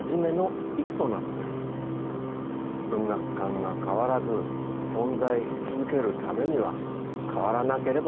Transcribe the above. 文学館が変わらず存在し続けるためには変わらなければなりません。